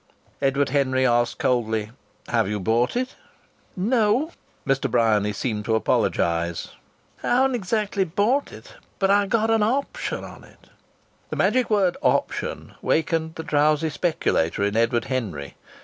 Edward Henry asked coldly: "Have you bought it?" "No," Mr. Bryany seemed to apologize. "I haven't exactly bought it. But I've got an option on it." The magic word "option" wakened the drowsy speculator in Edward Henry.